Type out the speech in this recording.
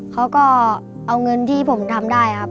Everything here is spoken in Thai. เขาก็เอาเงินที่ผมทำได้ครับ